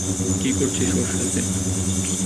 কী করেছিস ওর সাথে?